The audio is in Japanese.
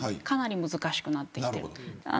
かなり難しくなってきていると。